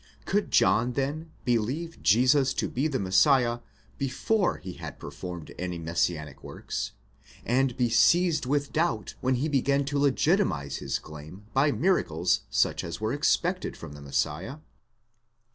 Could John, then, believe Jesus to be the Messiah before he had performed any messianic works, and be seized with doubt when he began to legitimatize his claim by miracles such as were expected from the Messiah